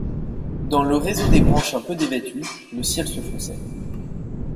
Dans le réseau des branches un peu dévêtues, le ciel se fonçait.